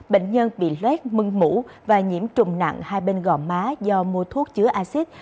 bệnh nhân bị loét mưng mũ và nhiễm trùng nặng hai bên gò má do mua thuốc chứa axit